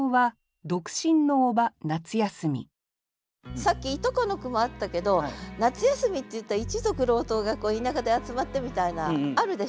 さっきいとこの句もあったけど夏休みっていったら一族郎党が田舎で集まってみたいなあるでしょ？